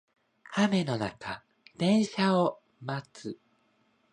雨の中電車を待つ